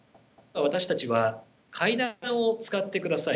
私たちは階段を使ってください